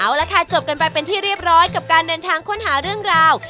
เอาละค่ะจบกันไปเป็นที่เรียบร้อยกับการเดินทางค้นหาเรื่องราว